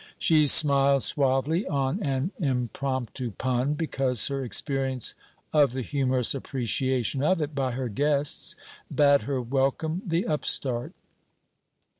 She smiled suavely on an impromptu pun, because her experience of the humorous appreciation of it by her guests bade her welcome the upstart.